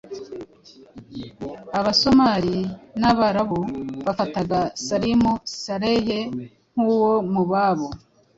Aba-Somali n’Abarabu bafataga Salim Saleh nk’uwo mu babo.